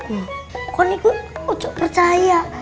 aku ingin percaya